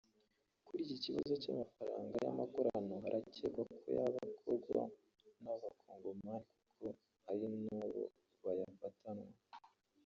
Kuri iki kibazo cy’amafaranga y’amakorano harakekwa ko yaba akorwa n’Abakongomani kuko ari nabo bayafatanwa